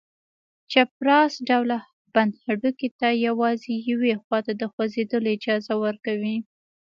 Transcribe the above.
چپراست ډوله بند هډوکي ته یوازې یوې خواته د خوځېدلو اجازه ورکوي.